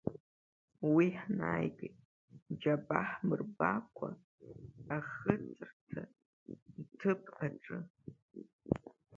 Уи ҳнаигеит џьабаа ҳмырбакәа ахыҵырҭа ҭыԥ аҿы.